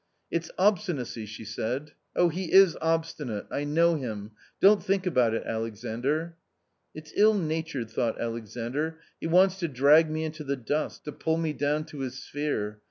" It's obstinacy !" she said, " oh, he is obstinate. I know him ! Don't think about it, Alexandr." " It's ill natured !" thought Alexandr ;" he wants to drag ,, me into the dust, to pull me down to his sphere.